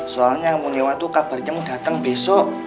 soalnya mau lewat tuh kabarnya mau dateng besok